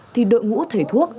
thì đội ngũ thể thuốc